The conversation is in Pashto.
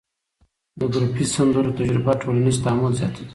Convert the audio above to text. د ګروپي سندرو تجربه ټولنیز تعامل زیاتوي.